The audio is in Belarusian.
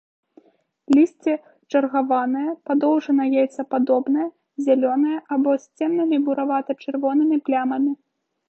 Лісце чаргаванае, падоўжана-яйцападобнае, зялёнае або з цёмнымі буравата-чырвонымі плямамі.